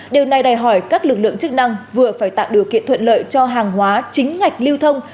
điều này đòi hỏi các lực lượng chức năng vừa phải tạo điều kiện thuận lợi cho hàng hóa chính ngạch lưu thông